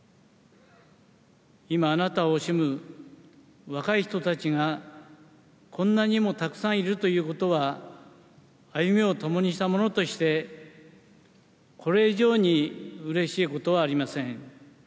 今、あなたを惜しむ若い人たちがこんなにもたくさんいるということは、歩みを共にした者として、これ以上にうれしいことはありません。